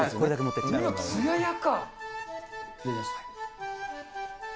色、つややか。